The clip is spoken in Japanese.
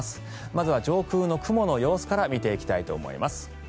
まずは上空の雲の様子から見ていきたいと思います。